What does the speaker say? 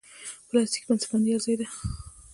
پلاستيکي بستهبندي هر ځای ده.